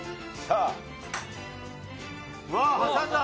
うわ挟んだ！